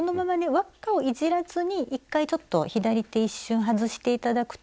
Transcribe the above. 輪っかをいじらずに１回ちょっと左手一瞬外して頂くと。